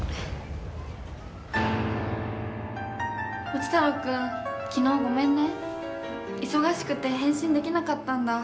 ポチ太郎君昨日ごめんね忙しくて返信できなかったんだ。